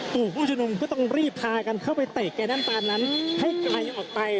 ผู้ชุมนุมก็ต้องรีบพากันเข้าไปเตะแก๊ดน้ำตานั้นให้กลายออกไป